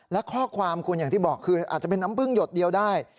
และข้อความคุณอย่างที่บอกคืออาจจะเป็นน้ำพึ่งหยดเดียวได้